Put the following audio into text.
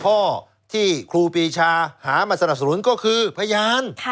ข้อที่ครูปีชาหามาสนับสนุนก็คือพยาน